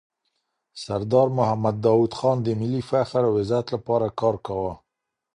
سردار محمد داود خان د ملي فخر او عزت لپاره کار کاوه.